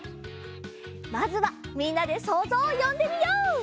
まずはみんなでそうぞうをよんでみよう！